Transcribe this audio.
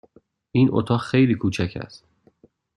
این اتاق خیلی کوچک است.